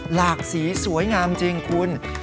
หลากสีสวยงามจริงคุณ